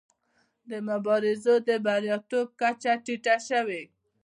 د مبارزو د بریالیتوب کچه ټیټه شوې.